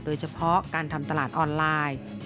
โดยเฉพาะการทำตลาดออนไลน์